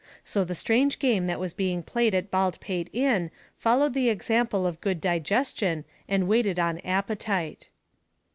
So the strange game that was being played at Baldpate Inn followed the example of good digestion and waited on appetite.